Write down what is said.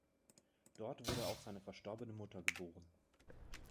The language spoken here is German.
Dort wurde auch seine verstorbene Mutter geboren.